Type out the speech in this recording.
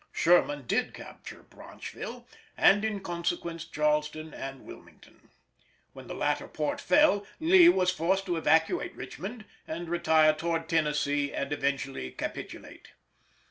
Sherman did capture Branchville, and in consequence Charleston and Wilmington. When the latter port fell Lee was forced to evacuate Richmond and retire towards Tennessee and eventually capitulate.